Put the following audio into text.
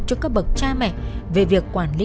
cho các bậc cha mẹ về việc quản lý